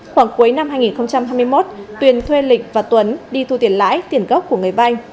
khoảng cuối năm hai nghìn hai mươi một tuyền thuê lịch và tuấn đi thu tiền lãi tiền gốc của người vay